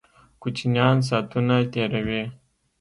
کوچینان ساتونه تیروي